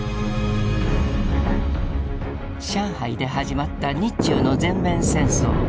上海で始まった日中の全面戦争。